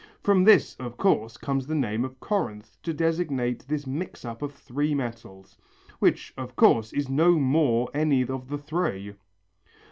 From this, of course, comes the name of Corinth to designate this mix up of three metals, which, of course, is no more any of the three!"